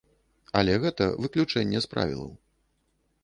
Але гэта выключэнне з правілаў.